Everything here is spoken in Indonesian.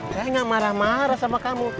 saya gak marah marah sama kamu